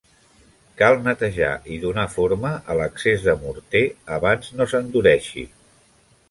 Cal netejar i donar forma a l'excés de morter abans no s'endureixi.